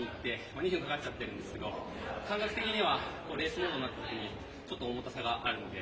２分かかっちゃってるんですけど感覚的にはレースモードになった時にちょっと重たさがあるので。